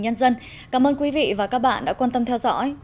nhân dân cảm ơn quý vị và các bạn đã quan tâm theo dõi xin kính chào và hẹn gặp lại